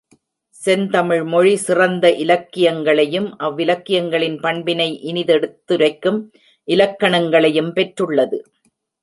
செந்தமிழ் மொழி சிறந்த இலக்கியங்களையும், அவ்விலக்கியங்களின் பண்பினை இனிதெடுத் துரைக்கும் இலக்கணங்களையும் பெற்றுளது.